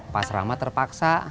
pasrah mah terpaksa